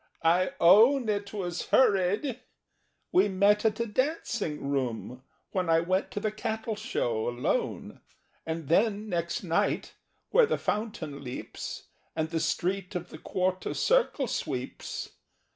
"I own It was hurried! We met at a dancing room When I went to the Cattle Show alone, And then, next night, where the Fountain leaps, And the Street of the Quarter Circle sweeps.